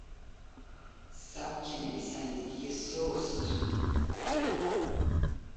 سبک نویسندگی سست